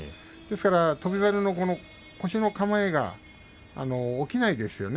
翔猿の腰の構えが起きないですよね。